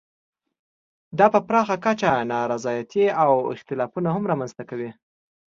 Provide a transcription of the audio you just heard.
دا په پراخه کچه نا رضایتۍ او اختلافونه هم رامنځته کوي.